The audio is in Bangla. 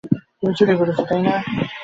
সকালে উঠিয়া স্বামীজীকে নমস্কার করিলাম।